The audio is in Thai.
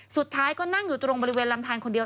สุดท้ายก็นั่งอยู่ตรงบริเวณลำทานคนเดียว